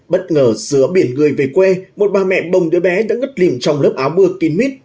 bất ngờ giữa biển người về quê một bà mẹ bồng đứa bé đã ngất lìm trong lớp áo mưa kín mít